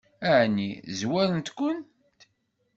Ɛni zwaren-kent?